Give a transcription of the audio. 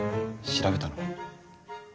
調べたの？